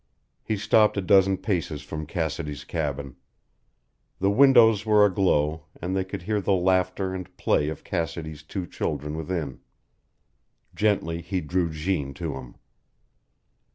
He stopped a dozen paces from Cassidy's cabin. The windows were aglow, and they could hear the laughter and play of Cassidy's two children within. Gently he drew Jeanne to him.